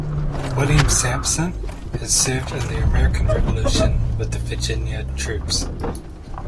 William Sampson had served in the American Revolution with the Virginia troops.